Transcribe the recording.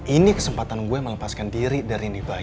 ini kesempatan gue melepaskan diri dari ini bayi